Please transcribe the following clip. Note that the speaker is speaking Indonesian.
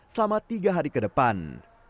selama tiga hari ke depan